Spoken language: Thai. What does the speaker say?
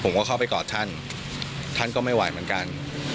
เข้าไปกอดท่านท่านก็ไม่ไหวเหมือนกัน